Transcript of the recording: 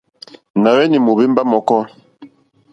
Nà hwenì mohvemba mɔ̀kɔ.